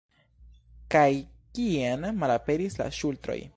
Kaj kien malaperis la ŝultroj?